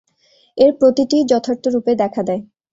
এর প্রতিটিই যথার্থরূপে দেখা দেয়।